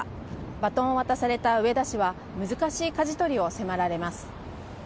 バトンを渡された植田氏は、難しいかじ取りを迫られます。